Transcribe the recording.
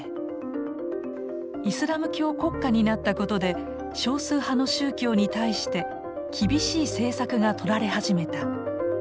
イスラム教国家になったことで少数派の宗教に対して厳しい政策がとられ始めた。